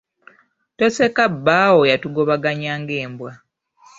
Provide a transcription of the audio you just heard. Toseka bbaawo yatugobaganya ng'embwa.